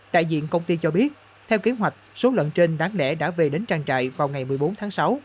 đại diện công ty cho biết theo kế hoạch số lợn trên đáng nể đã về đến trang trại vào ngày một mươi bốn tháng sáu